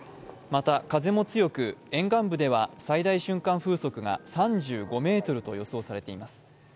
また風も強く、沿岸部では最大瞬間風速が３５メートルと予想されています。